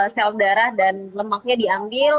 sel darah dan lemaknya diambil